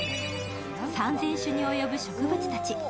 ３０００種に及ぶ植物たち。